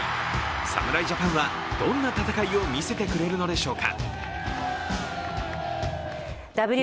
侍ジャパンはどんな戦いを見せてくれるのでしょうか。